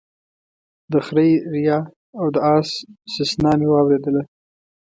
د خره ريا او د اس سسنا مې واورېدله